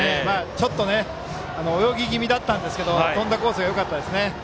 ちょっと泳ぎ気味だったんですが飛んだコースがよかったですね。